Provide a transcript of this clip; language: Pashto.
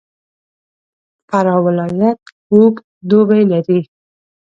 فراه ولایت اوږد دوبی لري.